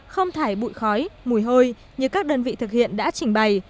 không thải bụi khói mùi hôi như các đơn vị thực hiện đã trình bày